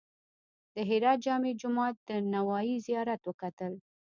د هرات جامع جومات او د نوایي زیارت وکتل.